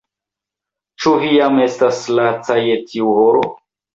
Ĉu vi jam estas laca je tiu horo?